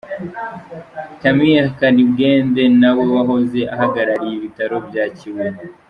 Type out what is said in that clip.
Camille Karibwende nawe wahoze ahagarariye ibitaro bya Kibuye.